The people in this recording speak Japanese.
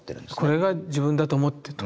これが自分だと思ってと。